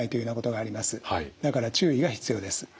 だから注意が必要です。